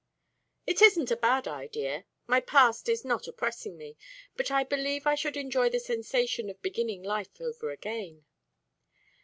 "It isn't a bad idea. My past is not oppressing me, but I believe I should enjoy the sensation of beginning life over again.